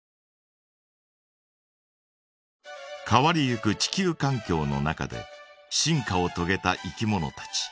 変わりゆく地球かん境の中で進化をとげたいきものたち。